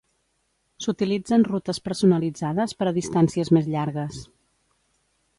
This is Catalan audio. S'utilitzen rutes personalitzades per a distàncies més llargues.